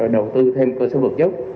đầu tư thêm cơ sở vật chất